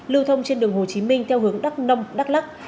lưu thông trên đường hồ chí minh theo hướng đắk nông đắk lắc